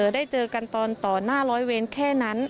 ได้เจอกันตอนต่อหน้าร้อยเว้นแค่นั้น